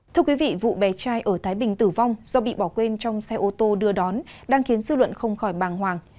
thưa quý vị vụ bé trai ở thái bình tử vong do bị bỏ quên trong xe ô tô đưa đón đang khiến dư luận không khỏi bàng hoàng